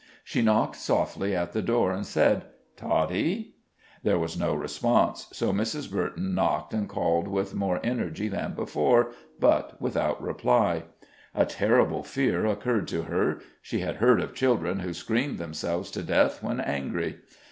She knocked softly at the door, and said: "Toddie?" There was no response, so Mrs. Burton knocked and called with more energy than before, but without reply. A terrible fear occurred to her! she had heard of children who screamed themselves to death when angry.